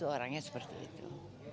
orangnya seperti itu